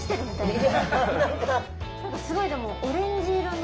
何かすごいでもオレンジ色の。